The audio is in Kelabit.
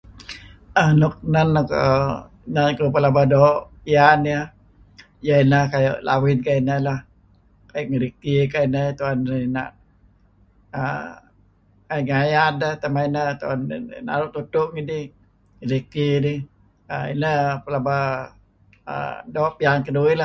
Nun nuk uih doo' piyan iyeh ineh kayu' lawid kayu' ineh tuen ngeriki rega' uhm sengayad ideh pangeh tuen naru' tudtu' ngeriki dih. Ineh pelaba doo' piyan keduih lah